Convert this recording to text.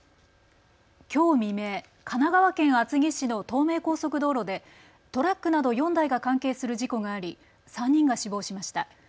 きょう未明、神奈川県厚木市の東名高速道路でトラックなど４台が関係する事故があり３人が死亡しました。